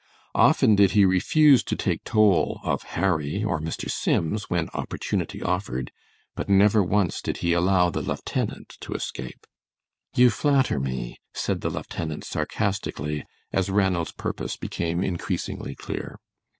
Often did he refuse to take toll of Harry or Mr. Sims when opportunity offered, but never once did he allow the lieutenant to escape. "You flatter me," said the lieutenant, sarcastically, as Ranald's purpose became increasingly clear.